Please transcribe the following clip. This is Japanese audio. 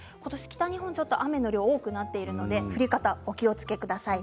北日本ちょっと雨の量が多くなっているので降り方お気をつけください。